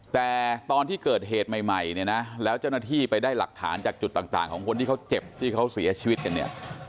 แต่ตอนที่เกิดเหตุใหม่เนี่ยนะแล้วเจ้าหน้าที่ไปได้หลักฐานจากจุดต่างของคนที่เขาเจ็บที่เขาเสียชีวิตกันเนี่ย